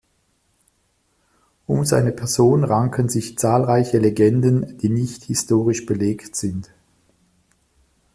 Um seine Person ranken sich zahlreiche Legenden, die nicht historisch belegt sind.